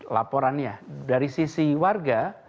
laporannya dari sisi warga